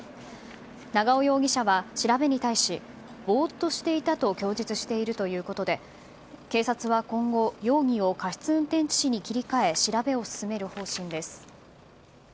長尾容疑者は調べに対しぼーっとしていたと供述しているということで警察は今後容疑を過失運転致死に切り替え調べを進める方針です。